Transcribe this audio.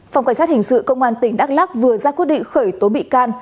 phòng cảnh sát hình sự công an tp đắc lắc vừa ra quyết định khởi tố bị can